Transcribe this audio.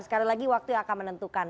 sekali lagi waktu yang akan menentukan